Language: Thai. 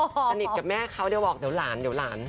สนิทกับแม่เขาเดี๋ยวบอกเดี๋ยวหลานเดี๋ยวหลาน